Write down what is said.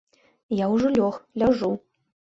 Я ўжо лёг, ляжу.